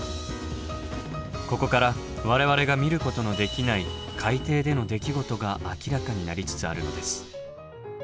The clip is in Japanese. ここから我々が見ることのできない海底での出来事が明らかになりつつあるのです。